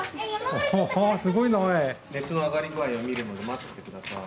おおすごいな熱の上がり具合を見るので待っててください。